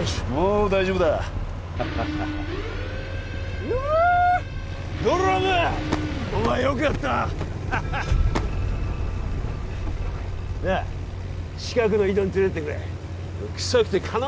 よしもう大丈夫だハハハイヨーッドラムお前よくやったハハッなあ近くの井戸に連れてってくれ臭くてかな